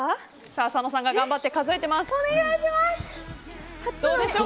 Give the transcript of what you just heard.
佐野さんが頑張って数えてます。